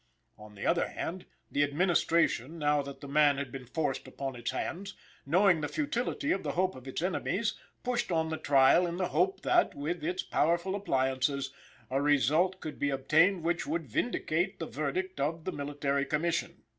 On the other hand, the administration, now that the man had been forced upon its hands, knowing the futility of the hope of its enemies, pushed on the trial in the hope that, with its powerful appliances, a result could be obtained which would vindicate the verdict of the Military Commission.